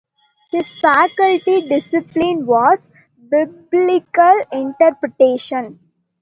His faculty discipline was Biblical interpretation.